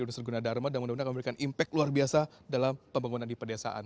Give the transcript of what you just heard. universitas guna dharma dan mudah mudahan akan memberikan impact luar biasa dalam pembangunan di pedesaan